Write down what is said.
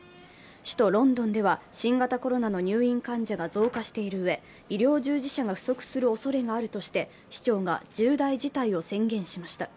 首都ロンドンでは新型コロナの入院患者が増加しているうえ、医療従事者が不足するおそれがあるとして市長が重大事態を宣言しました。